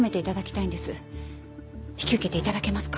引き受けて頂けますか？